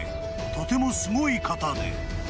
とてもすごい方で］